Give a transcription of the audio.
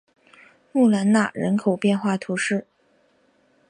穆兰纳人口变化图示